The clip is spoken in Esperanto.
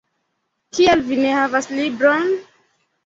Kial vi ne havas libron?